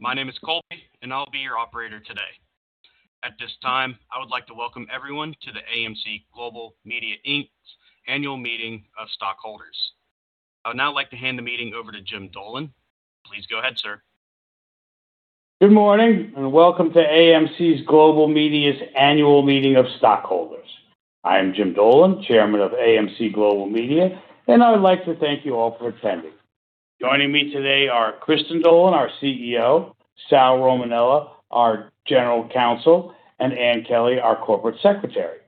Hello. My name is Colby and I'll be your operator today. At this time, I would like to welcome everyone to the AMC Global Media Inc.'s annual meeting of stockholders. I would now like to hand the meeting over to Jim Dolan. Please go ahead, sir. Good morning. Welcome to AMC Global Media's annual meeting of stockholders. I am Jim Dolan, chairman of AMC Global Media, and I would like to thank you all for attending. Joining me today are Kristin Dolan, our CEO, Sal Romanello, our general counsel, and Anne Kelly, our corporate secretary.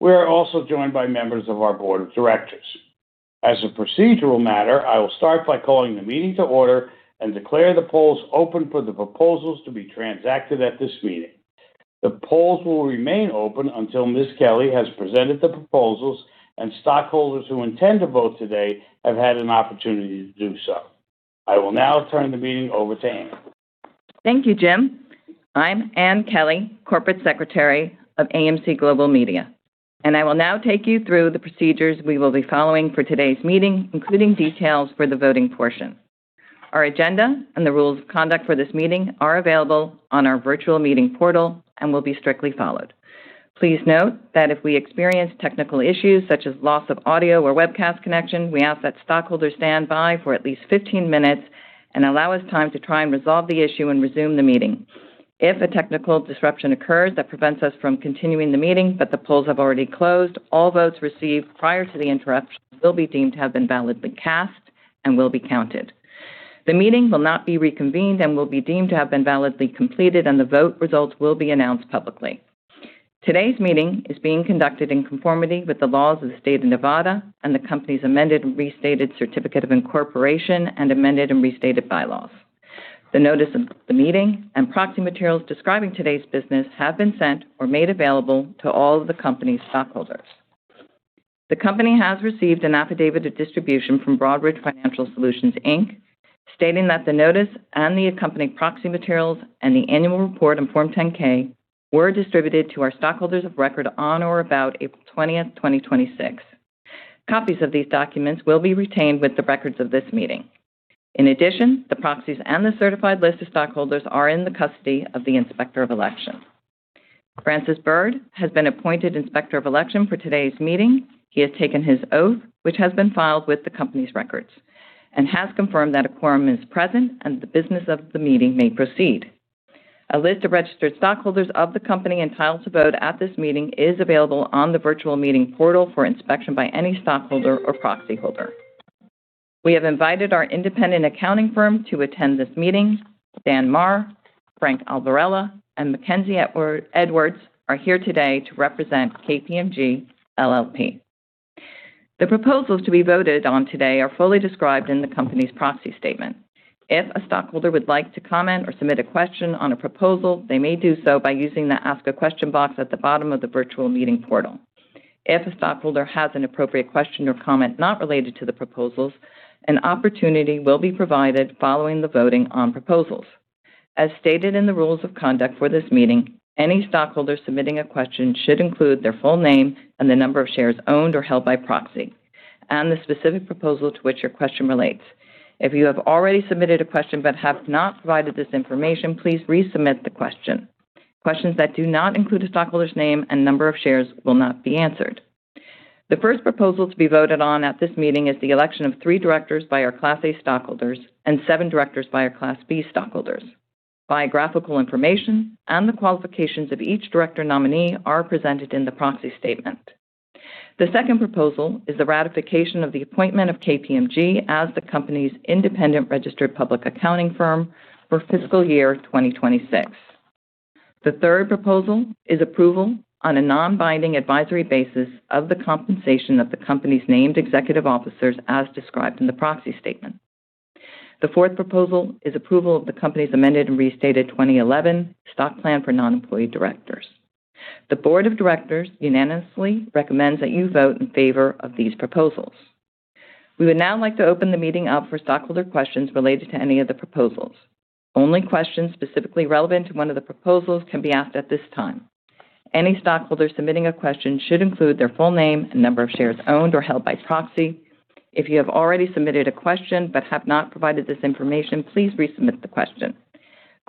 We are also joined by members of our board of directors. As a procedural matter, I will start by calling the meeting to order and declare the polls open for the proposals to be transacted at this meeting. The polls will remain open until Ms. Kelly has presented the proposals, and stockholders who intend to vote today have had an opportunity to do so. I will now turn the meeting over to Anne. Thank you, Jim. I'm Anne Kelly, corporate secretary of AMC Global Media, and I will now take you through the procedures we will be following for today's meeting, including details for the voting portion. Our agenda and the rules of conduct for this meeting are available on our virtual meeting portal and will be strictly followed. Please note that if we experience technical issues such as loss of audio or webcast connection, we ask that stockholders stand by for at least 15 minutes and allow us time to try and resolve the issue and resume the meeting. If a technical disruption occurs that prevents us from continuing the meeting, but the polls have already closed, all votes received prior to the interruption will be deemed to have been validly cast and will be counted. The meeting will not be reconvened and will be deemed to have been validly completed and the vote results will be announced publicly. Today's meeting is being conducted in conformity with the laws of the state of Nevada and the company's amended and restated certificate of incorporation and amended and restated bylaws. The notice of the meeting and proxy materials describing today's business have been sent or made available to all of the company's stockholders. The company has received an affidavit of distribution from Broadridge Financial Solutions Inc., stating that the notice and the accompanying proxy materials and the annual report and Form 10-K were distributed to our stockholders of record on or about April 20th, 2026. Copies of these documents will be retained with the records of this meeting. In addition, the proxies and the certified list of stockholders are in the custody of the Inspector of Election. Francis Byrd has been appointed Inspector of Election for today's meeting. He has taken his oath, which has been filed with the company's records and has confirmed that a quorum is present and the business of the meeting may proceed. A list of registered stockholders of the company entitled to vote at this meeting is available on the virtual meeting portal for inspection by any stockholder or proxy holder. We have invited our independent accounting firm to attend this meeting. Dan Marr, Frank Albarella, and Mackenzie Edwards are here today to represent KPMG LLP. The proposals to be voted on today are fully described in the company's proxy statement. If a stockholder would like to comment or submit a question on a proposal, they may do so by using the Ask a Question box at the bottom of the virtual meeting portal. If a stockholder has an appropriate question or comment not related to the proposals, an opportunity will be provided following the voting on proposals. As stated in the rules of conduct for this meeting, any stockholder submitting a question should include their full name and the number of shares owned or held by proxy, and the specific proposal to which your question relates. If you have already submitted a question but have not provided this information, please resubmit the question. Questions that do not include a stockholder's name and number of shares will not be answered. The first proposal to be voted on at this meeting is the election of three directors by our Class A stockholders and seven directors by our Class B stockholders. Biographical information and the qualifications of each director nominee are presented in the proxy statement. The second proposal is the ratification of the appointment of KPMG as the company's independent registered public accounting firm for fiscal year 2026. The third proposal is approval on a non-binding advisory basis of the compensation of the company's named executive officers, as described in the proxy statement. The fourth proposal is approval of the company's amended and restated 2011 Stock Plan for Non-Employee Directors. The board of directors unanimously recommends that you vote in favor of these proposals. We would now like to open the meeting up for stockholder questions related to any of the proposals. Only questions specifically relevant to one of the proposals can be asked at this time. Any stockholder submitting a question should include their full name and number of shares owned or held by proxy. If you have already submitted a question but have not provided this information, please resubmit the question.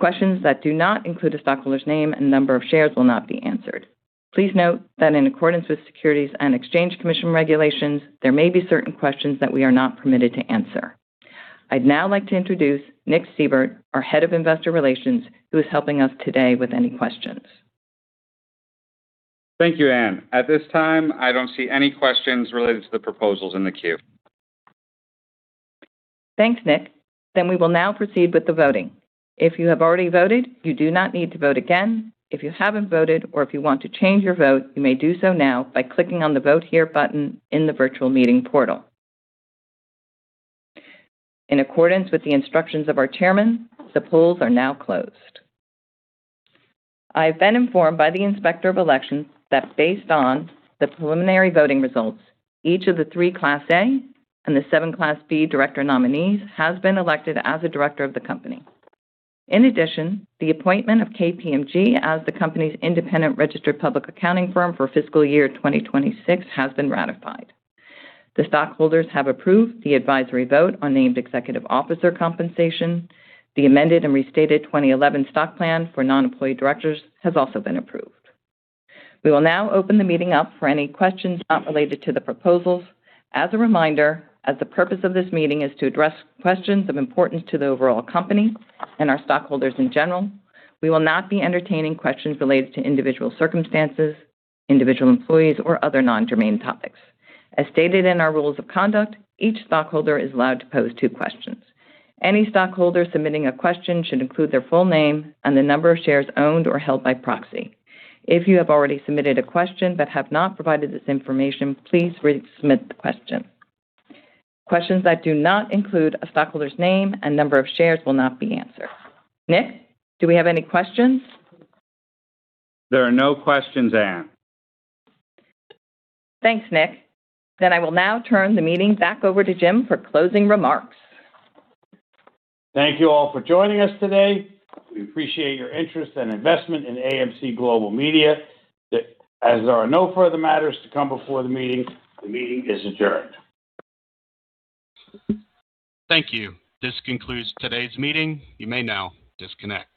Questions that do not include a stockholder's name and number of shares will not be answered. Please note that in accordance with Securities and Exchange Commission regulations, there may be certain questions that we are not permitted to answer. I'd now like to introduce Nick Seibert, our Head of Investor Relations, who is helping us today with any questions. Thank you, Anne. At this time, I don't see any questions related to the proposals in the queue. Thanks, Nick. We will now proceed with the voting. If you have already voted, you do not need to vote again. If you haven't voted or if you want to change your vote, you may do so now by clicking on the Vote Here button in the virtual meeting portal. In accordance with the instructions of our chairman, the polls are now closed. I have been informed by the Inspector of Elections that based on the preliminary voting results, each of the 3 Class A and the 7 Class B director nominees has been elected as a director of the company. In addition, the appointment of KPMG as the company's independent registered public accounting firm for fiscal year 2026 has been ratified. The stockholders have approved the advisory vote on named executive officer compensation. The amended and restated 2011 Stock Plan for Non-Employee Directors has also been approved. We will now open the meeting up for any questions not related to the proposals. As a reminder, as the purpose of this meeting is to address questions of importance to the overall company and our stockholders in general, we will not be entertaining questions related to individual circumstances, individual employees, or other non-germane topics. As stated in our rules of conduct, each stockholder is allowed to pose two questions. Any stockholder submitting a question should include their full name and the number of shares owned or held by proxy. If you have already submitted a question but have not provided this information, please resubmit the question. Questions that do not include a stockholder's name and number of shares will not be answered. Nick, do we have any questions? There are no questions, Anne. Thanks, Nick. I will now turn the meeting back over to Jim for closing remarks. Thank you all for joining us today. We appreciate your interest and investment in AMC Global Media. As there are no further matters to come before the meeting, the meeting is adjourned. Thank you. This concludes today's meeting. You may now disconnect.